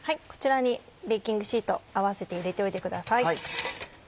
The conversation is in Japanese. こちらにベーキングシートを合わせて入れておいてください。